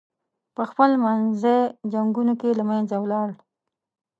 پخپل منځي جنګونو کې له منځه ولاړل.